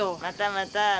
またまた。